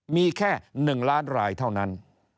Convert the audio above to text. มีแค่๑ล้านรายเท่านั้น